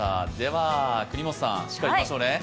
國本さん、しっかりいきましょうね。